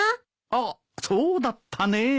あっそうだったねえ。